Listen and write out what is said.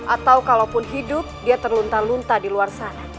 atau kalau pun hidup dia terluntar luntar di luar sana